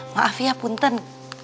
maaf ya punten